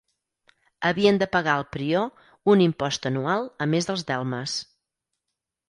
Havien de pagar al prior un impost anual a més dels delmes.